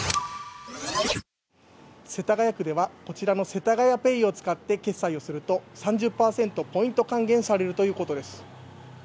世田谷区ではこちらのせたがやＰａｙを使って決済すると３０％ポイント還元されるということです。